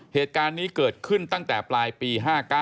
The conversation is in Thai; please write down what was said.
เหตุการณ์นี้เกิดขึ้นตั้งแต่ปลายปี๕๙